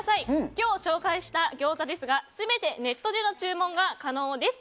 今日紹介したギョーザですが全てネットでの注文が可能です。